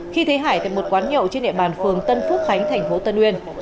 khi thấy hải tại một quán nhậu trên địa bàn phường tân phước khánh thành phố tân uyên